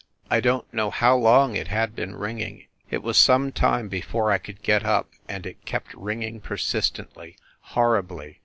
I don t know how long it had been ringing ... it was some time before I could get up, and it kept ringing persistently, horribly.